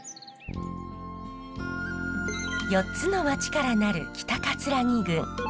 ４つの町から成る北城郡。